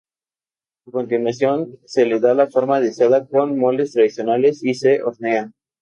A continuación se le da la forma deseada con moldes tradicionales y se hornea.